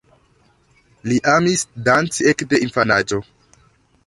Li amis danci ekde infanaĝo.